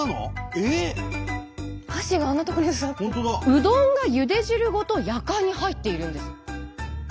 うどんがゆで汁ごとやかんに入っているんです。